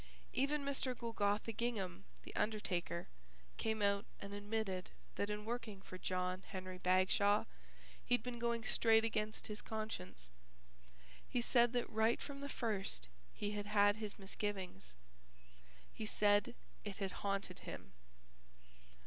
Even Mr. Golgotha Gingham, the undertaker, came out and admitted that in working for John Henry Bagshaw he'd been going straight against his conscience. He said that right from the first he had had his misgivings. He said it had haunted him.